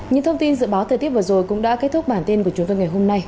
những thông tin dự báo thời tiết vừa rồi cũng đã kết thúc bản tin của chúng tôi ngày hôm nay